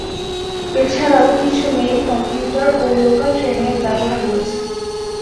এছাড়াও কিছু মেইল/কমিউটার ও লোকাল ট্রেনে এর ব্যবহার রয়েছে।